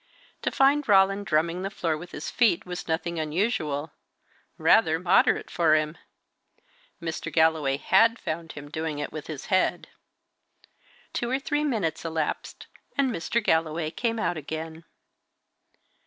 To find Roland drumming the floor with his feet was nothing unusual rather moderate for him; Mr. Galloway had found him doing it with his head. Two or three minutes elapsed, and Mr. Galloway came out again.